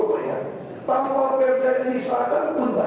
barang masih mahal bukan